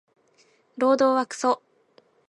労働はクソ